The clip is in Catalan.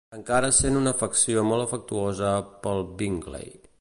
Encara sent una afecció molt afectuosa pel Bingley.